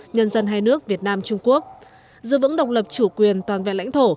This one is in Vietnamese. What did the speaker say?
nhân dân hai nước việt nam trung quốc giữ vững độc lập chủ quyền toàn vẹn lãnh thổ